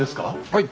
はい。